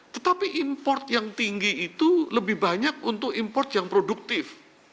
tetapi import yang tinggi itu lebih banyak untuk import yang produktif